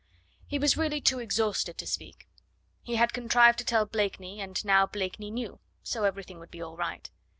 He was really too exhausted to speak. He had contrived to tell Blakeney, and now Blakeney knew, so everything would be all right.